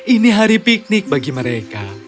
ini hari piknik bagi mereka